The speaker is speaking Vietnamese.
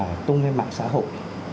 như là tung lên mạng xã hội